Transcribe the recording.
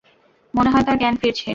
মনে হয় তার জ্ঞান ফিরছে।